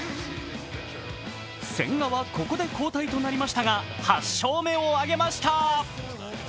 千賀はここで交代となりましたが８勝目を挙げました。